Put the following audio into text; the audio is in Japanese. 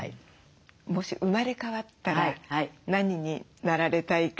もし生まれ変わったら何になられたいか？